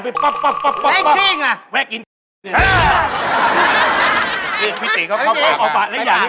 แหละ